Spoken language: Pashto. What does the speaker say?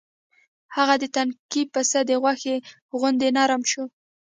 هغه د تنکي پسه د غوښې غوندې نرم شو.